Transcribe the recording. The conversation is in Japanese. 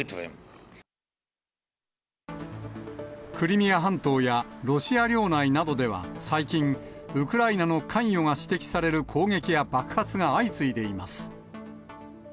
クリミア半島やロシア領内などでは最近、ウクライナの関与が指摘される攻撃や爆発が相次いでいます。